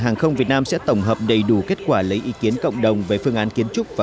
hàng không việt nam sẽ tổng hợp đầy đủ kết quả lấy ý kiến cộng đồng về phương án kiến trúc và